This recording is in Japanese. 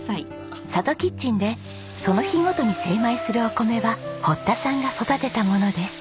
ｓａｔｏｋｉｔｃｈｅｎでその日ごとに精米するお米は堀田さんが育てたものです。